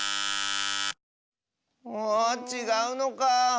あちがうのか。